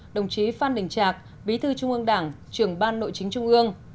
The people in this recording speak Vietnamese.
đồng chí phan đình trạc bí thư trung ương đảng trưởng ban nội chính trung ương